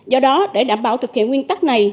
do đó để đảm bảo thực hiện nguyên tắc này